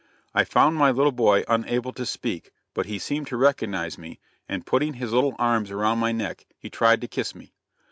I found my little boy unable to speak but he seemed to recognize me and putting his little arms around my neck he tried to kiss me.